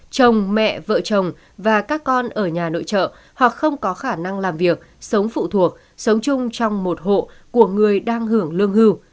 chồng mẹ vợ chồng và các con ở nhà nội trợ hoặc không có khả năng làm việc sống phụ thuộc sống chung trong một hộ của người đang hưởng lương hưu